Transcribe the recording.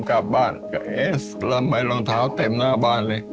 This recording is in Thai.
ผมกลับบ้านก็เอ๊สลำมีรองเท้าเต็มหน้าบ้านเลย